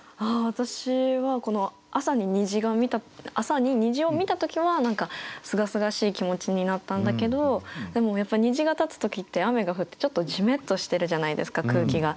私はこの朝に虹を見た時は何かすがすがしい気持ちになったんだけどでもやっぱ虹が立つ時って雨が降ってちょっとじめっとしてるじゃないですか空気が。